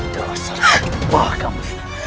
dasar allah kamu